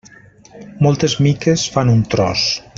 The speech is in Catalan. Moltes miques fan un tros.